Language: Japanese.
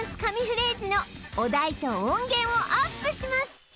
フレーズのお題と音源をアップします